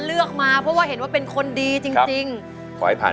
สมาธิพร้อมเพลงพร้อมร้องได้ให้ล้าน